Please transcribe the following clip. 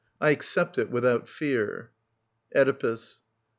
I accept it without fear. Oedipus.